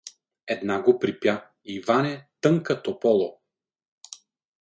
Една го припя: Иване, тънка тополо.